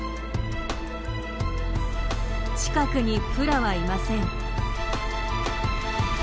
近くにフラはいません。